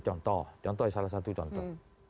contoh contoh salah satu contoh